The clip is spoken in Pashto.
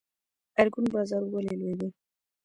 ارګون بازار ولې لوی دی؟